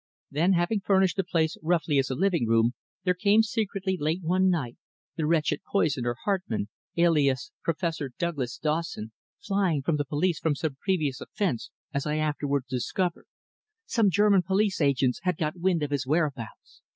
Then, having furnished the place roughly as a living room, there came secretly late one night the wretched poisoner Hartmann, alias Professor Douglas Dawson, flying from the police for some previous offence, as I afterwards discovered. Some German police agents had got wind of his whereabouts.